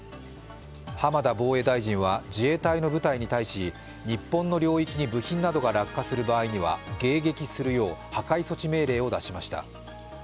浜田防衛大臣は自衛隊の部隊に対し日本の領域に部品などが落下する場合には迎撃するよう、破壊措置命令を出しました。